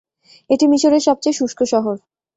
এটি মিশরের সবচেয়ে শুষ্ক শহর।